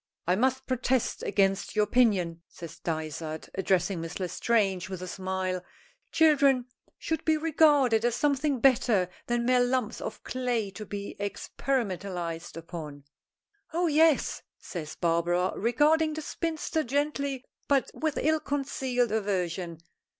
"I must protest against your opinion," says Dysart, addressing Miss L'Estrange with a smile. "Children should be regarded as something better than mere lumps of clay to be experimentalized upon!" "Oh, yes," says Barbara, regarding the spinster gently but with ill concealed aversion.